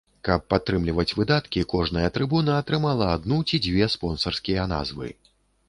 Каб падтрымліваць выдаткі, кожная трыбуна атрымала адну ці дзве спонсарскія назвы.